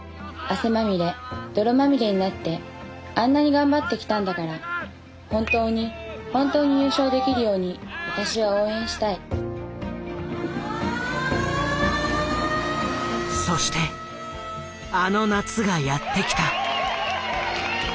汗まみれ泥まみれになってあんなに頑張ってきたんだから本当に本当に優勝できるように私は応援したいそしてあの夏がやって来た。